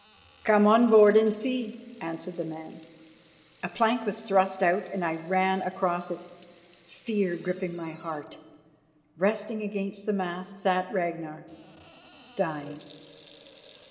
"Come on board and see," answered the man. A plank was thrust out and I ran across it, fear gripping at my heart. Resting against the mast sat Ragnar, dying.